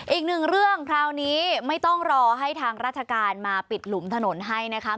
อีกหนึ่งเรื่องคราวนี้ไม่ต้องรอให้ทางราชการมาปิดหลุมถนนให้นะคะ